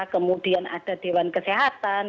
kemudian ada dewan kesehatan